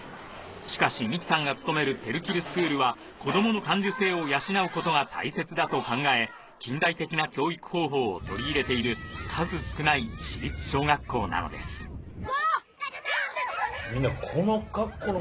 しかし美紀さんが勤めるペルキルスクールは子どもの感受性を養うことが大切だと考え近代的な教育方法を取り入れている数少ない私立小学校なのですみんなこの格好のまま体育もやるんだ。